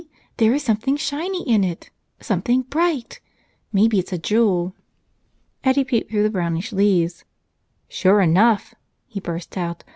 there is something shiny in it, something bright; maybe it's a jewel." Eddie peeped through the brownish leaves. "Sure enough!" he burst out.